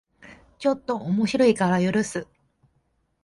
ちょっと面白いから許す